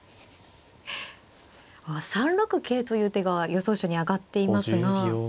３六桂という手が予想手に挙がっていますが。